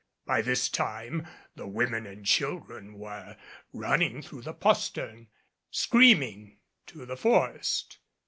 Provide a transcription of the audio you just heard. By this time the women and children were running through the postern, screaming, to the forest.